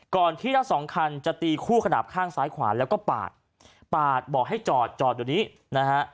ที่ทั้งสองคันจะตีคู่ขนาดข้างซ้ายขวาแล้วก็ปาดปาดบอกให้จอดจอดอยู่นี้นะฮะ